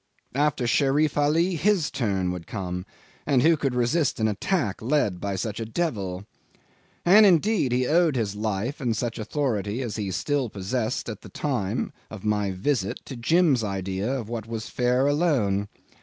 After Sherif Ali his turn would come, and who could resist an attack led by such a devil? And indeed he owed his life and such authority as he still possessed at the time of my visit to Jim's idea of what was fair alone.